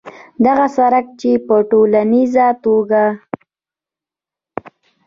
دغه سړک چې په ټولیزه توګه